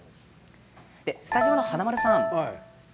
スタジオの華丸さん